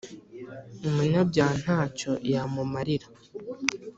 umunyabyaha nta cyo yamumarira